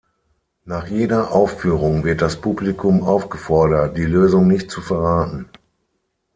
Nach jeder Aufführung wird das Publikum aufgefordert, die Lösung nicht zu verraten.